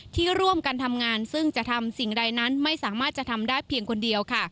ที่ร่วมกันทำงานซึ่งจะทำสิ่งใดนั้นไม่สามารถจะทำได้เพียงคนเดียวค่ะ